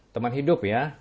teman hidup ya